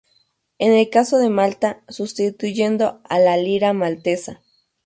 En el caso de Malta, sustituyendo a la lira maltesa.